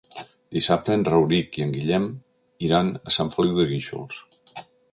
Dissabte en Rauric i en Guillem iran a Sant Feliu de Guíxols.